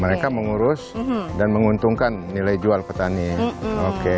mereka mengurus dan menguntungkan nilai jual petani